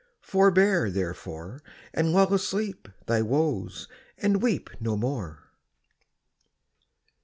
Forbear, therefore, And lull asleep Thy woes, and weep No more.